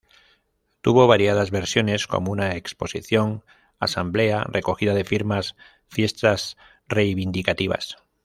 Tuvo variadas versiones como una exposición, asamblea, recogida de firmas, fiestas reivindicativas.